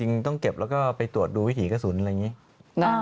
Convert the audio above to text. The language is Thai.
ต้องเก็บแล้วก็ไปตรวจดูวิถีกระสุนอะไรอย่างนี้